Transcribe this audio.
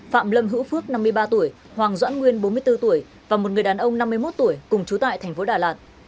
phạm lâm hữu phước năm mươi ba tuổi hoàng doãn nguyên bốn mươi bốn tuổi và một người đàn ông năm mươi một tuổi cùng chú tại thành phố đà lạt